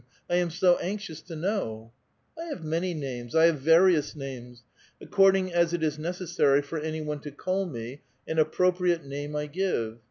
I am so anxious to know !"" 1 have many names; I have various names. According as it is necessary for any one to call me, an appropriate name 1 give